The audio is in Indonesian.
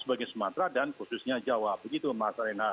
sebagian sumatera dan khususnya jawa begitu mas renal